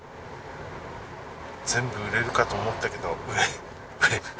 全部売れるかと思ったけど売れそうだな。